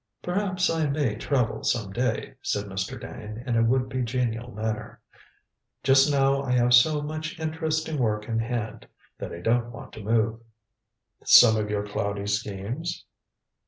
"Perhaps I may travel some day," said Mr. Dane, in a would be genial manner. "Just now I have so much interesting work in hand that I don't want to move." "Some of your cloudy schemes?"